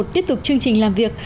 tiếp tục chương trình làm việc